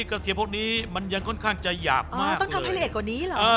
กระเทียมพวกนี้มันยังค่อนข้างจะหยาบมากต้องทำให้ละเอียดกว่านี้เหรอ